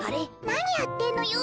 なにやってんのよ。